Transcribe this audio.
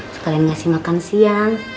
sekalian ngasih makan siang